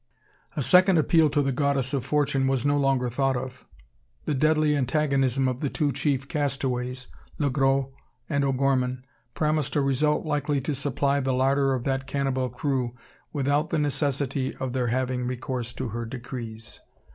A second appeal to the goddess of Fortune was no longer thought of. The deadly antagonism of the two chief castaways Le Gros and O'Gorman promised a result likely to supply the larder of that cannibal crew, without the necessity of their having recourse to her decrees.